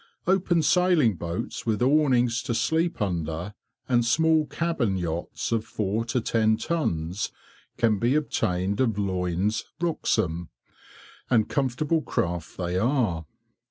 Open sailing boats with awnings to sleep under, and small cabin yachts of four to ten tons, can be obtained of Loynes, Wroxham; and comfortable craft they are.